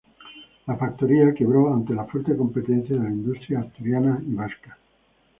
La factoría quebró ante la fuerte competencia de la industria asturiana y vasca.